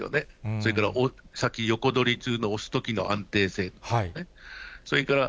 それからさっき、横取りというのを押すときの安定性とか、それから、